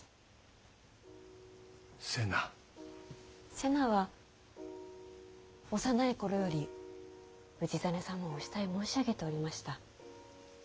瀬名は幼い頃より氏真様をお慕い申し上げておりました。